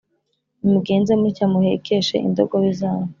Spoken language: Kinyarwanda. nimugenze mutya muhekeshe indogobe zanyu